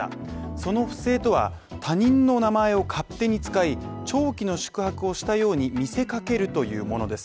その不正とは、他人の名前を勝手に使い、長期の宿泊をしたように見せかけるというものです。